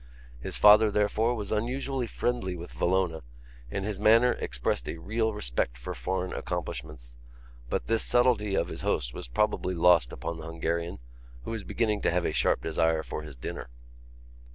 His father, therefore, was unusually friendly with Villona and his manner expressed a real respect for foreign accomplishments; but this subtlety of his host was probably lost upon the Hungarian, who was beginning to have a sharp desire for his dinner.